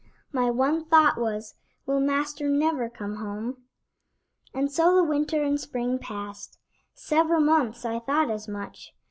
My one thought was: "Will Master never come home?" And so the winter and spring passed. "Several months," I thought as much!